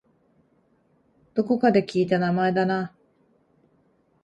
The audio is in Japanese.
どこかで聞いた名前だな